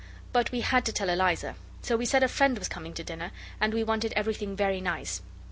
But we had to tell Eliza; so we said a friend was coming to dinner and we wanted everything very nice.